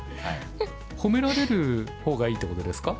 褒められる方がいいってことですか？